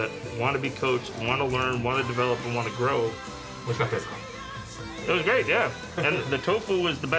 おいしかったですか？